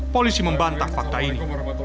polisi membantang fakta ini